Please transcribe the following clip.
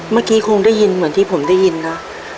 เมื่อกี้คงได้ยินเหมือนที่ผมได้ยินนะ